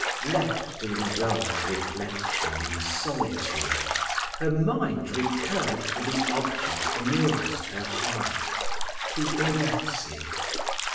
Left to indulge reflection in solitude, her mind recurred to the object nearest her heart to Verezzi.